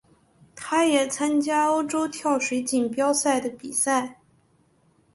他也参加欧洲跳水锦标赛的比赛。